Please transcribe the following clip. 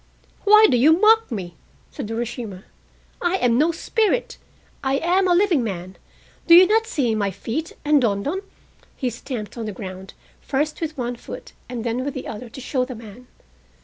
"Why do you mock me?" said Urashima. "I am no spirit! I am a living man—do you not see my feet;" and "don don," he stamped on the ground, first with one foot and then with the other to show the man.